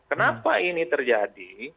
kenapa ini terjadi